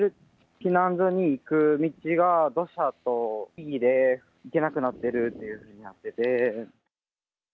避難所に行く道が、土砂と木々で行けなくなってるっていうふうになってて。